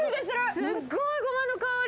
すごくごまの香り。